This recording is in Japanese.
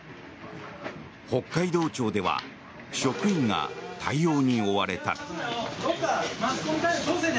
北海道庁では職員が対応に追われた。